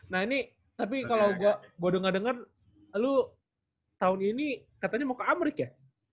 nah ini tapi kalau gue udah gak denger lu tahun ini katanya mau ke amrik ya